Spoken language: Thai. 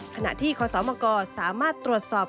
ขณะที่คศมกสามารถตรวจสอบ